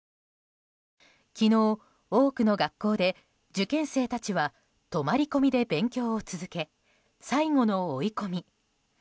昨日、多くの学校で受験生たちは泊まり込みで勉強を続け最後の追い込み。